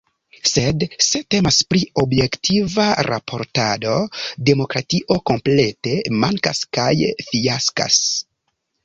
Sed se temas pri objektiva raportado, demokratio komplete mankas kaj fiaskas.